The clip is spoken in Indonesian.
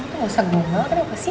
kamu tuh usah gunggol kan apa sih